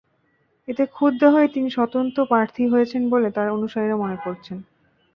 এতে ক্ষুব্ধ হয়ে তিনি স্বতন্ত্র প্রার্থী হয়েছেন বলে তাঁর অনুসারীরা মনে করছেন।